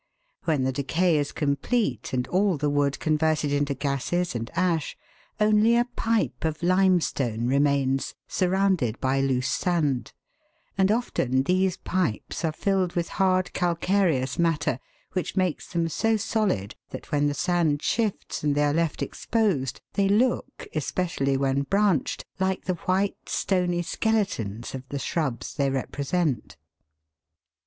When the decay is complete, and all the wood converted into gases and ash, only a pipe of limestone remains, surrounded by loose sand ; and often these pipes are filled with hard calcareous matter, which makes them so solid that when the sand shifts and they are left exposed they look, especially when branched, like the white, stony skeletons of the shrubs they represent.